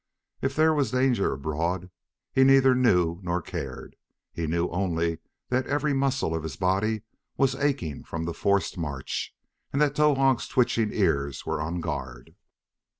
If there was danger abroad he neither knew nor cared. He knew only that every muscle of his body was aching from the forced march, and that Towahg's twitching ears were on guard.